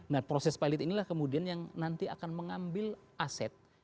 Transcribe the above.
nah proses pilot inilah kemudian yang nanti akan mengambil aset